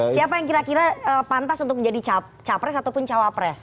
siapa yang kira kira pantas untuk menjadi capres ataupun cawapres